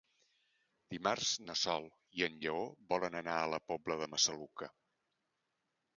Dimarts na Sol i en Lleó volen anar a la Pobla de Massaluca.